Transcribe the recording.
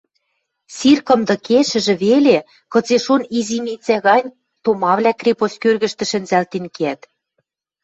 Сир кымдыкешӹжӹ веле кыце-шон изимицӓ гань томавлӓ крепость кӧргӹштӹ шӹнзӓлтен кеӓт.